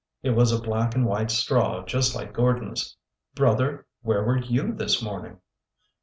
It was a black and white straw just like Gordon's. ''Brother, where were you this morning?"